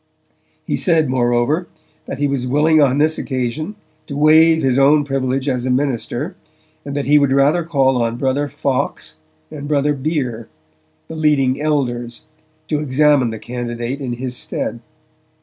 He said, moreover, that he was willing on this occasion to waive his own privilege as a minister, and that he would rather call on Brother Fawkes and Brother Bere, the leading elders, to examine the candidate in his stead.